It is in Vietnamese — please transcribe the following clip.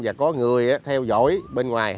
và có người theo dõi bên ngoài